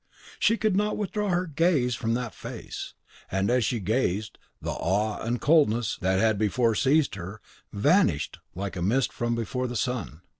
She could not withdraw her gaze from that face, and as she gazed, the awe and coldness that had before seized her, vanished like a mist from before the sun.